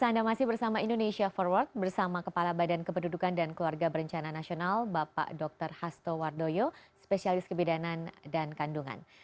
ya umirsa masih bersama indonesia for work bersama kepala badan keperdudukan dan keluarga berencana nasional bapak dr hasto wardoyo spesialis kebedaan dan kandungan